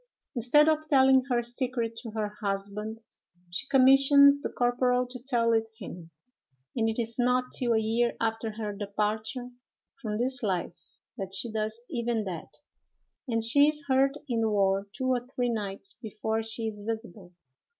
Instead of telling her secret to her husband, she commissions the corporal to tell it him, and it is not till a year after her departure from this life that she does even that; and she is heard in the ward two or three nights before she is visible.